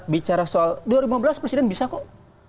bicara soal dua ribu lima belas presiden bisa kok